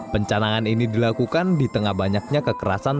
pencanangan ini dilakukan di tengah banyaknya kekerasan